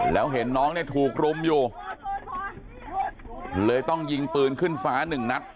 แล้วเห็นน้องเนี่ยถูกรุมอยู่เลยต้องยิงปืนขึ้นฟ้าหนึ่งนัด